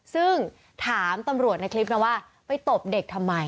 ซึ่งถามตำรวจในคลิปนะว่าไปตบเด็กทำไม